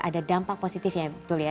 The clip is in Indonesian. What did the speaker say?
ada dampak positif ya betul ya